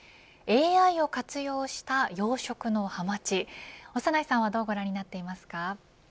ＡＩを活用した養殖のハマチ長内さんはどうご覧になっていますか。